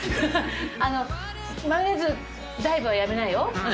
あのマヨネーズダイブはやめなよ？